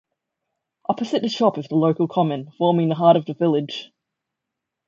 Opposite the shop is the local common, forming the heart of the village.